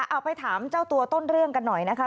เอาไปถามเจ้าตัวต้นเรื่องกันหน่อยนะคะ